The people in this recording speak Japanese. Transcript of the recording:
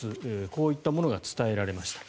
こういったものが伝えられました。